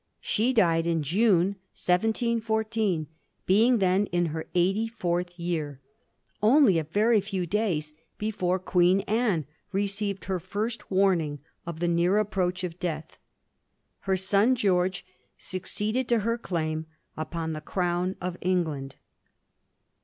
She died in June 1714, being then in her eighty fourth year ; only a very few days before Queen Anne received her first warning of the near approach of death. Her son George succeeded to her claim upon the crown of England.